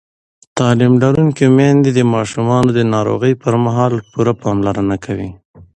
تعلیم لرونکې میندې د ماشومانو د ناروغۍ پر مهال پوره پاملرنه کوي.